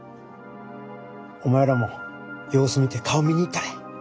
お前らも様子見て顔見に行ったれ。